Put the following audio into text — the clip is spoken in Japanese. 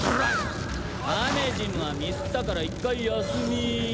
カメジムはミスったから１回休み。